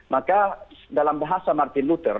maka dalam bahasa martin lutter